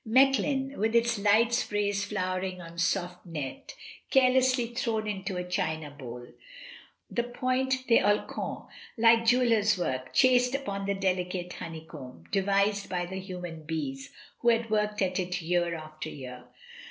Mechlin, with its light sprays flowering on soft net. AT A WINDOW. 55 carelessly thrown into a china bowl; the point d'Alenfon, like jeweller's work, chased upon the delicate honeycomb, devised by the human bees, who had worked at it year after year.